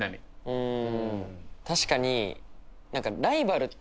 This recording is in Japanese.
うん。